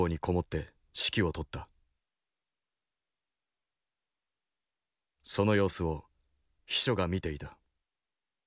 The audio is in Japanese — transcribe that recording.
その様子を秘書が見ていた。